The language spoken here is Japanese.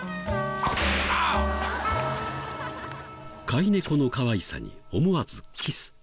飼い猫のかわいさに思わずキス。